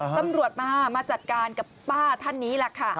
ตำรวจมามาจัดการกับป้าท่านนี้แหละค่ะ